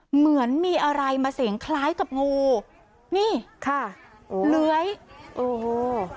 เหมือนมีอะไรมาเสียงคล้ายกับงูนี่ค่ะโอ้เลื้อยโอ้โห